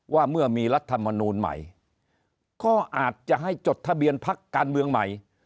ว่าเมื่อมีรัฐมนูลใหม่ก็อาจจะให้จดทะเบียนพักการเมืองใหม่